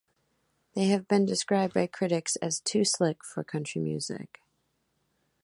They have been described by critics as too slick for country music.